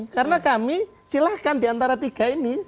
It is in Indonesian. karena kami silahkan diantara tiga ini